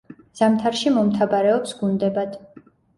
ზამთარში მომთაბარეობს გუნდებად.